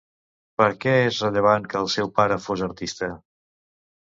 Per què és rellevant que el seu pare fos artista?